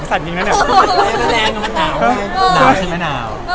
โอเคสิไหมไม่ถึงเจอเขา